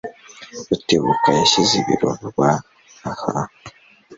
Rutebuka yashyize ibiro vuba aha.